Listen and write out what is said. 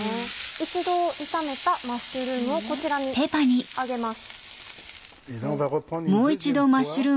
一度炒めたマッシュルームをこちらに上げます。